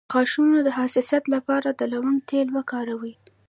د غاښونو د حساسیت لپاره د لونګ تېل وکاروئ